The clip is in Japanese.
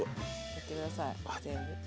やって下さい全部。